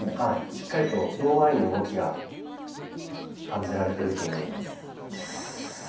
しっかりと胴まわりの動きが感じられてると思います。